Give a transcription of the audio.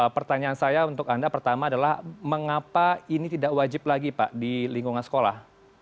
pertanyaan saya untuk anda pertama adalah mengapa ini tidak wajib lagi pak di lingkungan sekolah